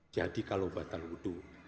jadi kalau batal hudu